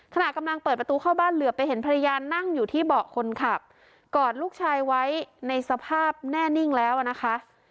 ขณะกำลังเปิดประตูเข้าบ้านเหลือไปเห็นภรรยานั่งอยู่ที่เบาะคนขับกอดลูกชายไว้ในสภาพแน่นิ่งแล้วอ่ะนะคะ